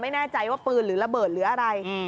ไม่แน่ใจว่าปืนหรือระเบิดหรืออะไร